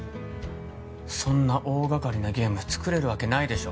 そんな大掛かりなゲーム作れるわけないでしょ